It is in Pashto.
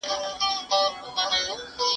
اووه عددونه دي.